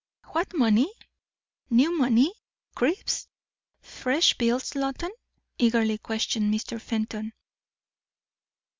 "What money? New money? Crisp, fresh bills, Loton?" eagerly questioned Mr. Fenton.